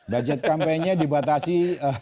bajet kampenya dibatasi